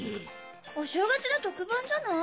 お正月の特番じゃない？